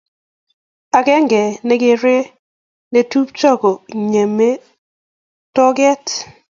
akenge nekere netupcho konyeme toget